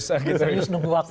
serius menunggu waktu